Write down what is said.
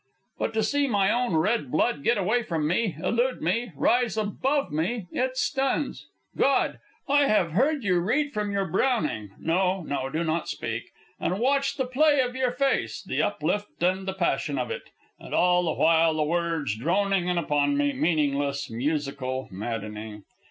But to see my own red blood get away from me, elude me, rise above me! It stuns. God! I have heard you read from your Browning no, no; do not speak and watched the play of your face, the uplift and the passion of it, and all the while the words droning in upon me, meaningless, musical, maddening.